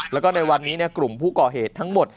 แล้วก็ในวันนี้กลุ่มผู้ก่อเหตุทั้งหมด